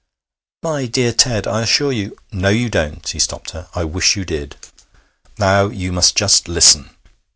'My dear Ted, I assure you ' 'No, you don't,' he stopped her. 'I wish you did. Now you must just listen.